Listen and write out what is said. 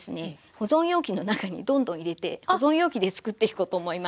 保存容器の中にどんどん入れて保存容器で作っていこうと思います。